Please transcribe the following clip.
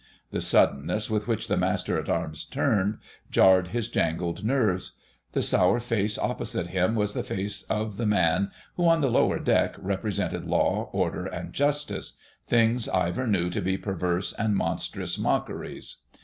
The suddenness with which the Master at Arms turned jarred his jangled nerves; the sour face opposite him was the face of the man who, on the Lower Deck, represented Law, Order, and Justice, things Ivor knew to be perverse and monstrous mockeries.